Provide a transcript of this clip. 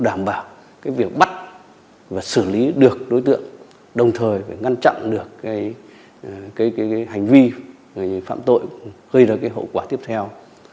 đảm bảo việc bắt và xử lý được đối tượng đồng thời ngăn chặn được hành vi phạm tội gây ra hậu quả tiếp theo